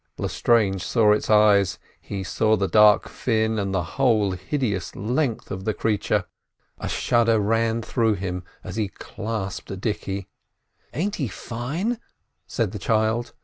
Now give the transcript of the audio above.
Lestrange saw its eyes, he saw the dark fin, and the whole hideous length of the creature; a shudder ran through him as he clasped Dicky. "Ain't he fine?" said the child.